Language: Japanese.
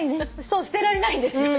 そう捨てられないんですよ。